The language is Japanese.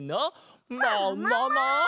ももも！